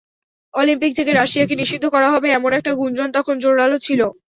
Olympic থেকে রাশিয়াকে নিষিদ্ধ করা হবে, এমন একটা গুঞ্জন তখন জোরালো ছিল।